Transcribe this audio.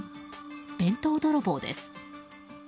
弁当泥棒です。